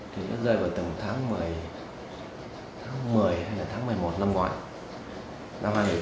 thì nó rơi vào tầm tháng một mươi tháng một mươi hay là tháng một mươi một năm ngoại